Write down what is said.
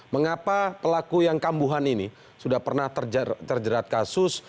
mengapa pelaku yang kambuhan ini sudah pernah terjerat kasus